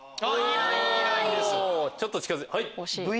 ちょっと近づいた。